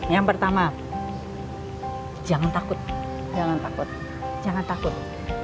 yang pertama jangan takut jangan takut jangan takut